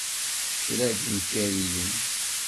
Nekra-d imkariyen.